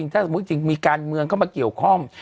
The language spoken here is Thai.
ถ้าสมมุติจริงมีการเมืองเข้ามาเกี่ยวข้อง